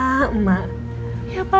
ya pastilah kita semua butuh emak